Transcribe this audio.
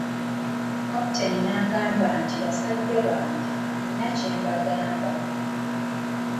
Kapitaan n'agamba nti "Basajja bange, nina kye mbagamba.